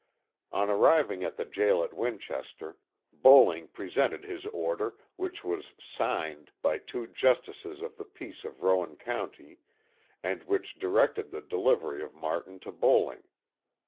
On arriving at the jail at Winchester, Bowling presented his order, which was signed (?) by two Justices of the Peace of Rowan County and which directed the delivery of Martin to Bowling.